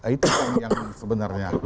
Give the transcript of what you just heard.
itu yang sebenarnya